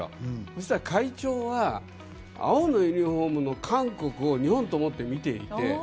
そしたら会長は青のユニホームの韓国を日本と思って見ていて。